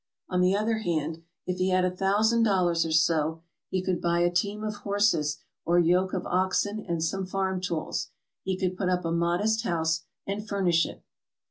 On the other hand, if he had a thousand dollars or so he could buy a team of horses or yoke of oxen and some farm tools. He could put up a modest house and furnish it.